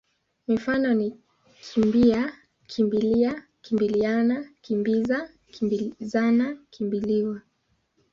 Mifano ni kimbi-a, kimbi-lia, kimbili-ana, kimbi-za, kimbi-zana, kimbi-liwa.